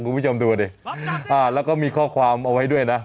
กูไม่จำตัวเนี้ยอ่าแล้วก็มีข้อความเอาไว้ด้วยนะ